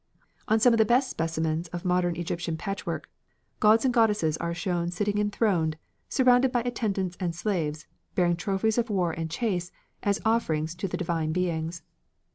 On some of the best specimens of modern Egyptian patchwork gods and goddesses are shown sitting enthroned surrounded by attendants and slaves bearing trophies of war and chase as offerings to the divine beings.